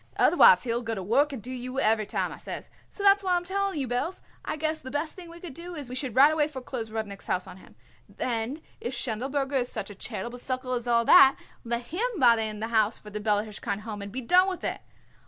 'Otherwise he will go to work and do you every time,' I says. So that's why I am telling you, Belz, I guess the best thing we could do is we should right away foreclose Rudnik's house on him. Then if Schindelberger is such a charitable sucker as all that, let him buy in the house for the Bella Hirshkind Home and be done with it.